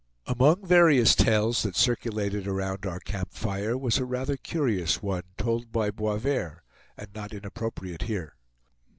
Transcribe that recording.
Among various tales that circulated around our camp fire was a rather curious one, told by Boisverd, and not inappropriate here.